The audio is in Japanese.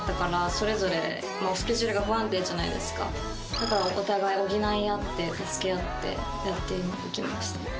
だからお互い補い合って助け合ってやったりもできました。